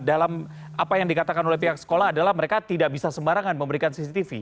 dalam apa yang dikatakan oleh pihak sekolah adalah mereka tidak bisa sembarangan memberikan cctv